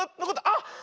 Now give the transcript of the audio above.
あっ！